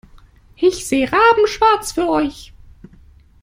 Ich sehe rabenschwarz für euch.